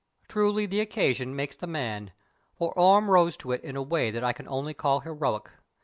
Truly the occasion makes the man, for Orme rose to it in a way that I can only call heroic.